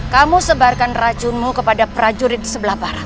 kamu sebarkan racunmu kepada prajurit sebelah barat